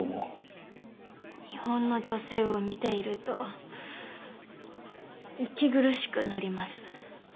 日本の女性を見ていると息苦しくなります。